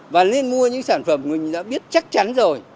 và nên mua những sản phẩm mình đã biết chắc chắn rồi